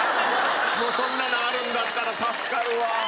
そんなのあるんだったら助かるわ。